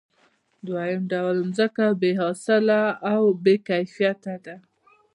دویم ډول ځمکه بې حاصله او بې کیفیته ده